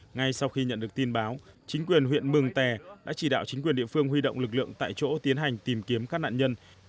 ngay sau khi nhận được tin báo chính quyền huyện mường tè đã chỉ đạo chính quyền địa phương huy động lực lượng tại chỗ tiến hành tìm kiếm các nạn nhân